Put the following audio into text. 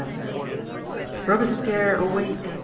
XXVII Robespierre, awake!